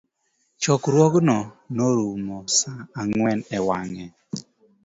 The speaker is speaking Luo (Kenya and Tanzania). Chokruogno norumo sa ang'wen e wange